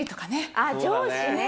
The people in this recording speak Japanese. あっ上司ね。